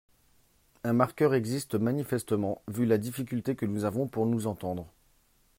Un marqueur existe manifestement, vu la difficulté que nous avons pour nous entendre.